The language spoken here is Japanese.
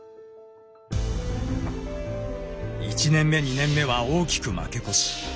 １年目２年目は大きく負け越し。